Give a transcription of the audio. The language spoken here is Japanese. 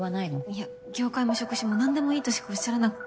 いや業界も職種も何でもいいとしかおっしゃらなくて。